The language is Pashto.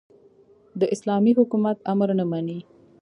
د اسلامي حکومت امر نه مني.